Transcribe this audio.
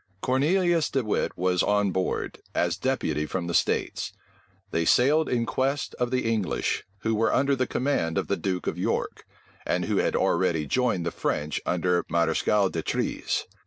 Cornelius De Wit was on board, as deputy from the states. They sailed in quest of the English, who were under the command of the duke of York, and who had already joined the French under Mareschal D'Etrées.